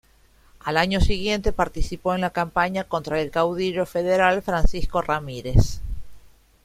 Al año siguiente participó en la campaña contra el caudillo federal Francisco Ramírez.